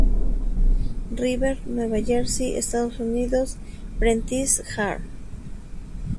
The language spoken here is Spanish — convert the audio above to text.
River, Nueva Jersey, Estados Unidos: Prentice-Hall.